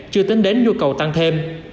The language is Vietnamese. chưa tính đến nhu cầu tăng thêm